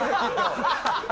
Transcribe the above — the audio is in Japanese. ハハハハ！